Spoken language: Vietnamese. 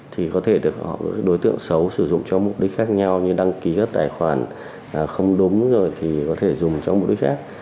thì có thể được đối tượng xấu sử dụng cho mục đích khác nhau như đăng ký các tài khoản không đúng rồi thì có thể dùng cho mục đích khác